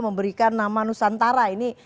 memberikan nama nusantara ini